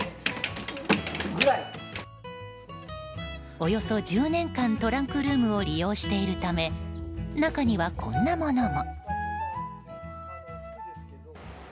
およそ１０年間トランクルームを利用しているため中には、こんなものも。